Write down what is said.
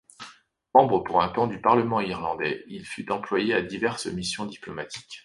Membre pour un temps du Parlement irlandais, il fut employé à diverses missions diplomatiques.